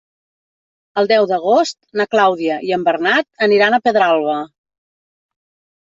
El deu d'agost na Clàudia i en Bernat aniran a Pedralba.